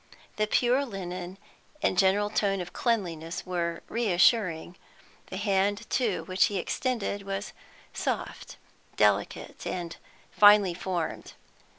The pure linen and general tone of cleanliness were reassuring; the hand, too, which he extended, was soft, delicate, and finely formed.